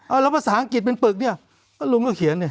เอ่าแล้วอังกฤษเป็นปึกอ่ะลุงก็เขียน